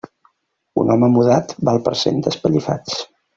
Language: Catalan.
Un home mudat val per cent d'espellifats.